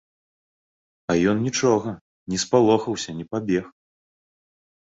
А ён нічога, не спалохаўся, не пабег.